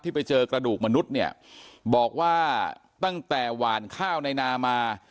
ไปเจอกระดูกมนุษย์เนี่ยบอกว่าตั้งแต่หวานข้าวในนามา